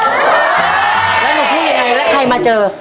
แล้วหนูพูดยังไงแล้วใครมาเจอ